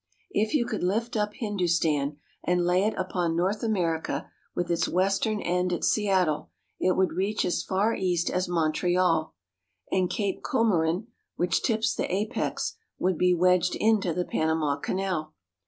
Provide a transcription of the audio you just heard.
If you could lift up Hindustan, and lay it upon North America with its western end at Seattle, it would reach as far east as Montreal, and Cape Comorin which tips the apex would be wedged into the Panama Canal.